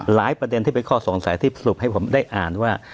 ประเด็นที่เป็นข้อสงสัยที่สรุปให้ผมได้อ่านว่า